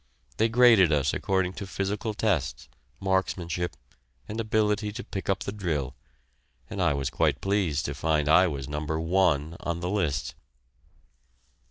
They graded us according to physical tests, marksmanship, and ability to pick up the drill, and I was quite pleased to find I was Number "One" on the list.